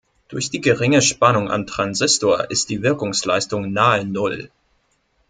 Durch die geringe Spannung am Transistor ist die Wirkleistung nahe null.